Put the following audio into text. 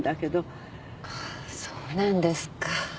そうなんですか。